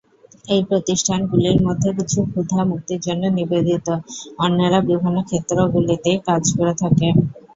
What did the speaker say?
এই প্রতিষ্ঠানগুলির মধ্যে কিছু ক্ষুধা মুক্তির জন্য নিবেদিত, অন্যেরা বিভিন্ন ক্ষেত্রগুলিতে কাজ করে থাকে।